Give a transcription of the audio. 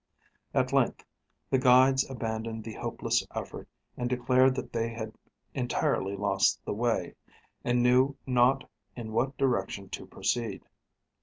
At length the guides abandoned the hopeless effort, and declared that they had entirely lost the way, and knew not in what direction to proceed.